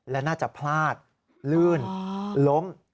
และน่าจะพลาดลื่นล้ม